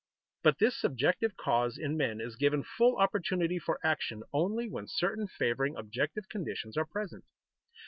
But this subjective cause in men is given full opportunity for action only when certain favoring objective conditions are present.